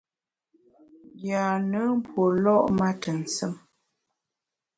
Yâ-nùn pue lo’ ma ntù nsùm.